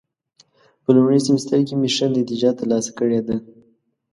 په لومړي سمستر کې مې ښه نتیجه ترلاسه کړې ده.